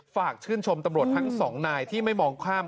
ฝากชื่นชมตำรวจทั้งสองนายที่ไม่มองข้าม